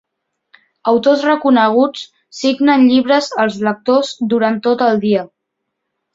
Autors reconeguts signen llibres als lectors durant tot el dia.